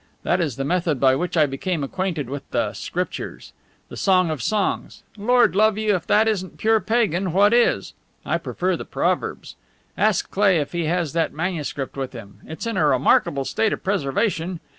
That is the method by which I became acquainted with the Scriptures. The Song of Songs! Lord love you, if that isn't pure pagan, what is? I prefer the Proverbs. Ask Cleigh if he has that manuscript with him. It's in a remarkable state of preservation.